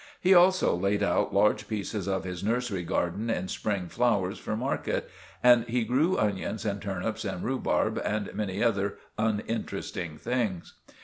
He also laid out large pieces of his nursery garden in spring flowers for market, and he grew onions and turnips and rhubarb, and many other uninteresting things.